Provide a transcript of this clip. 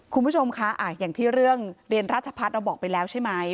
คุณผู้ชมคะอย่างที่เรื่องเรียนราชพัฒน์เราบอกไปแล้วใช่ไหม